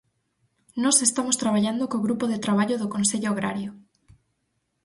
Nós estamos traballando co grupo de traballo do Consello Agrario.